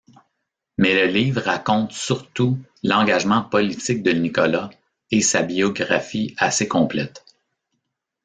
Mais le livre raconte surtout l'engagement politique de Nicolas et sa biographie assez complète.